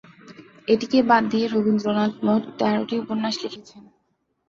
এটিকে বাদ দিয়ে রবীন্দ্রনাথ মোট তেরোটি উপন্যাস লিখেছেন।